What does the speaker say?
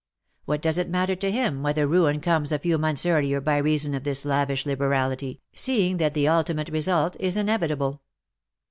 What does it matter to him whether ruin comes a few months earlier by reason of this lavish liberality, seeing that the ultimate result is inevitable.